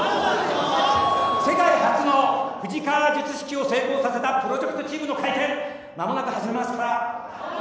世界初の富士川術式を成功させたプロジェクトチームの会見間もなく始めますから。